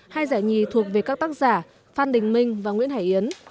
hai giải nhì thuộc về các tác giả phan đình minh và nguyễn hải yến